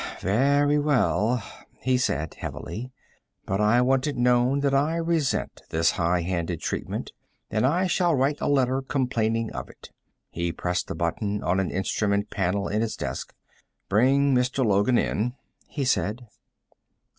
"Very well," he said heavily. "But I want it known that I resent this high handed treatment, and I shall write a letter complaining of it." He pressed a button on an instrument panel in his desk. "Bring Mr. Logan in," he said.